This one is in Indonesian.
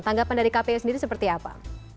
tanggapan dari kpu sendiri seperti apa